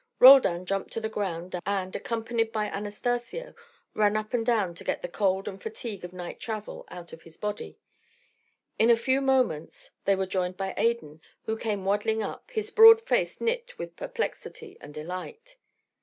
Roldan jumped to the ground, and accompanied by Anastacio, ran up and down to get the cold and fatigue of night travel out of his body. In a few moments they were joined by Adan, who came waddling up, his broad face knit with perplexity and delight.